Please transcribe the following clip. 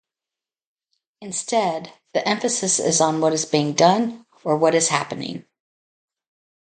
Instead, the emphasis is on what is being done or what is happening.